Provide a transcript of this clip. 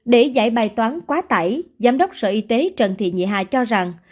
để giải bài toán quá tải giám đốc sở y tế trần thị nhị hà cho rằng